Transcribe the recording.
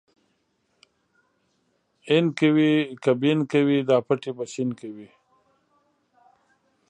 اين کوې که بېن کوې دا پټی به شين کوې.